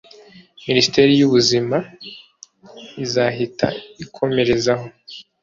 Ministeri y’Ubuzima izahita ikomerezaho